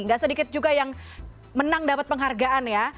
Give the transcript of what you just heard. gak sedikit juga yang menang dapat penghargaan ya